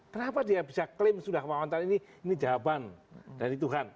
kenapa dia bisa klaim sudah kemauan ini ini jawaban dari tuhan